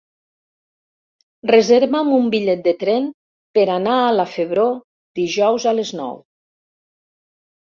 Reserva'm un bitllet de tren per anar a la Febró dijous a les nou.